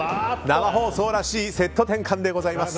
生放送らしいセット転換でございます。